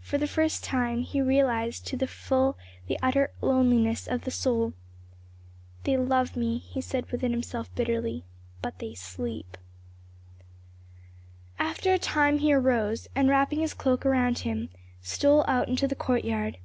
For the first time he realized to the full the utter loneliness of the soul. "They love me," he said within himself bitterly, "but they sleep." After a time he arose, and wrapping his cloak about him, stole out into the courtyard.